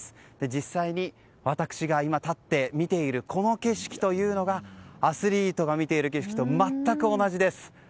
実際に私が今、立って見ているこの景色というのがアスリートが見ている景色と全く同じです。